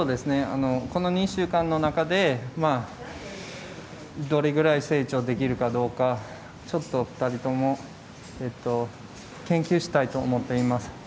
この２週間の中でどれぐらい成長できるかどうかちょっと２人とも、研究したいと思っています。